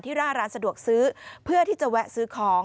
หน้าร้านสะดวกซื้อเพื่อที่จะแวะซื้อของ